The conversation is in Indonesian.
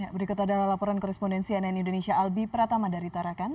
berikut adalah laporan korespondensi ann indonesia albi pratama dari tarakan